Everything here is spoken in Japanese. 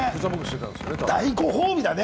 大ご褒美だね！